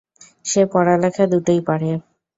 সে পড়ালেখা দুটোই পারে।